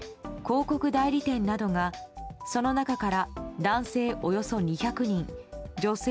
しかし、広告代理店などがその中から男性およそ２００人女性